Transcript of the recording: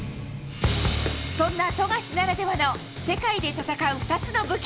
そんな富樫ならではの世界で戦う２つの武器。